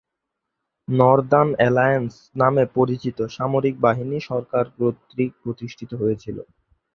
Northern Alliance নামে পরিচিত সামরিক বাহিনী সরকার কর্তৃক প্রতিষ্ঠিত হয়েছিল।